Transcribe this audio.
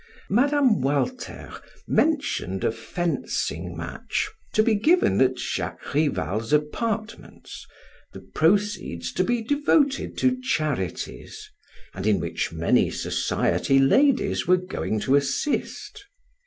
Mme. Walter mentioned a fencing match to be given at Jacques Rival's apartments, the proceeds to be devoted to charities, and in which many society ladies were going to assist.